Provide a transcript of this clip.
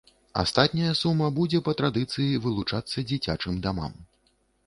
Астатняя сума будзе па традыцыі вылучацца дзіцячым дамам.